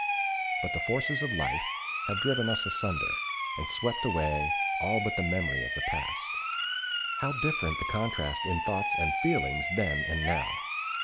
But the forces of life have driven us asunder, and swept away all but the memory of the past. How different the contrast in thoughts and feelings then and now!